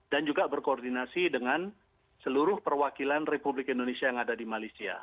dan juga berkoordinasi dengan seluruh perwakilan republik indonesia yang ada di malaysia